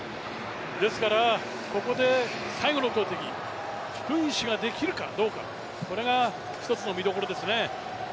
ですから、ここで最後の投てき、フィニッシュができるかどうか、これが一つの見どころですね。